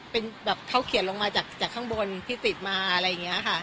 เป็นแบบเขาเขียนลงมาจากข้างบนที่ติดมาอะไรอย่างนี้ค่ะ